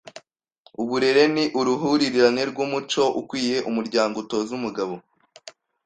Uburere ni uruhurirane rw’umuco ukwiye umuryango utoza umugabo